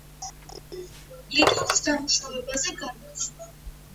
ფუნქციონალიზმის სტილში ნაგები შენობის მთავარი უპირატესობა მისი მშენებლობის სისწრაფეა.